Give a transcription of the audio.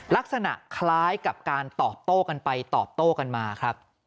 ลักษณะคล้ายกับการตอบโต้กันไปตอบโต้กันมาครับ